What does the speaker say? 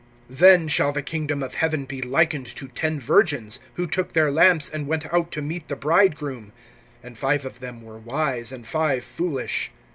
THEN shall the kingdom of heaven be likened to ten virgins, who took their lamps, and went out to meet the bridegroom. (2)And five of them were wise, and five foolish.